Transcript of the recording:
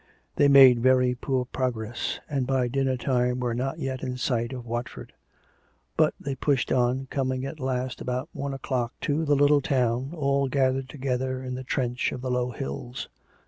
They made very poor progress, and by dinner time were not yet in sight of Wat ford. But they pushed on, coming at last about one o'clock to that little town, all gathered together in the trench of the low hills.